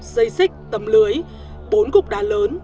dây xích tấm lưới bốn cục đá lớn